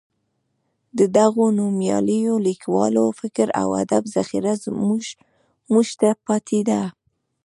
د دغو نومیالیو لیکوالو فکر او ادب ذخیره موږ ته پاتې ده.